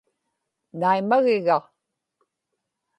naimagiga